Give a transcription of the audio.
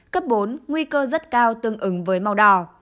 cấp bốn nguy cơ rất cao tương ứng với màu đỏ